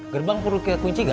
gerbang perlu kita kunci nggak